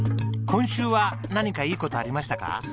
今週は何かいい事ありましたか？